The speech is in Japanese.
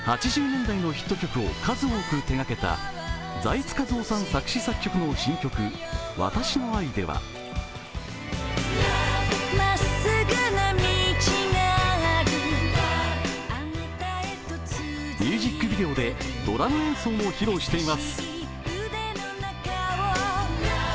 ８０年代のヒット曲を数多く手がけた財津和夫さん作詞作曲の新曲、「私の愛」ではミュージックビデオでドラム演奏も披露しています。